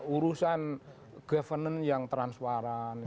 urusan governance yang transparan